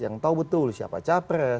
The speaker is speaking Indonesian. yang tahu betul siapa capres